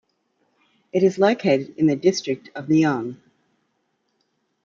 It is located in the district of Nyon.